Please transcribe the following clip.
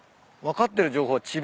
分かってる情報は智辯